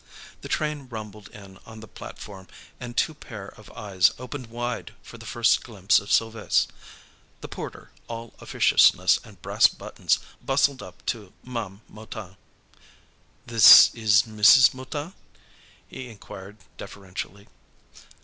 The train rumbled in on the platform, and two pair of eyes opened wide for the first glimpse of Sylves'. The porter, all officiousness and brass buttons, bustled up to Ma'am Mouton. "This is Mrs. Mouton?" he inquired deferentially.